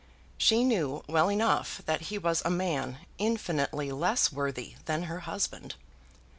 She knew well enough that he was a man infinitely less worthy than her husband.